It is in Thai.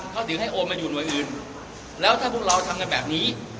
เขาถึงให้โอนมาอยู่หน่วยอื่นแล้วถ้าพวกเราทำกันแบบนี้